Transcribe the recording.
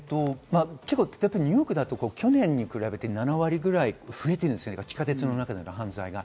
ニューヨークだとかは去年に比べて、７割ぐらい増えてます、地下鉄の中での犯罪が。